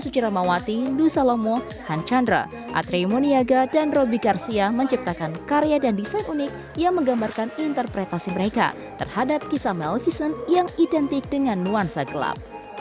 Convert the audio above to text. suci ramawati ndus salomo han chandra atreyu moniaga dan robby garcia menciptakan karya dan desain unik yang menggambarkan interpretasi mereka terhadap kisah maleficent yang identik dengan nuansa gelap